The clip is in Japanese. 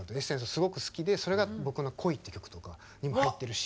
すごく好きでそれが僕の「恋」って曲とかにも入ってるし。